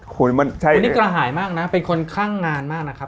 คุณมันใช่คุณนิกระหายมากนะเป็นคนข้างงานมากนะครับ